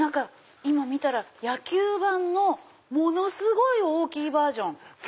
今見たら野球盤のものすごい大きいバージョン。